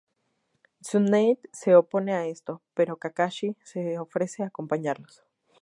Tsunade se opone a esto, pero Kakashi se ofrece a acompañarlos.